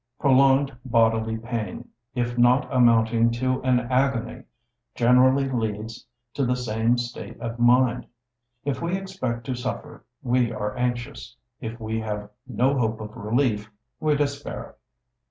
Prolonged bodily pain, if not amounting to an agony, generally leads to the same state of mind. If we expect to suffer, we are anxious; if we have no hope of relief, we despair.